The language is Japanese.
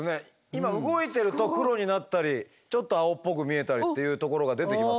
今動いてると黒になったりちょっと青っぽく見えたりっていうところが出てきますね。